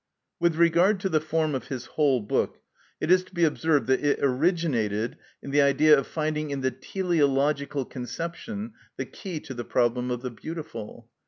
With regard to the form of his whole book, it is to be observed that it originated in the idea of finding in the teleological conception the key to the problem of the beautiful.